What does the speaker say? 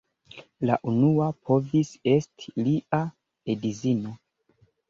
La unua povis esti lia edzino.